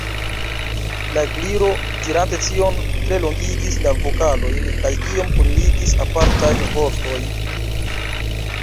La Gliro, dirante tion, tre longigis la vokalojn, kaj iom kunligis apartajn vortojn.